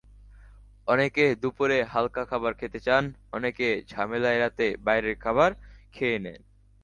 অনেকেই দুপুরে হালকা খাবার খেতে চান, অনেকে ঝামেলা এড়াতে বাইরের খাবার খেয়ে নেন।